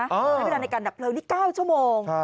ไม่ได้ในการดับเบลอนี่๙ชั่วโมง